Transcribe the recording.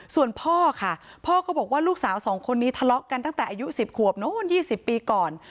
ส่วนพ่อค่ะพ่อก็บอกว่าลูกสาวสองคนนี้ทะเลาะกันตั้งแต่อายุ๑๐ขวบนู้น๒๐ปีก่อน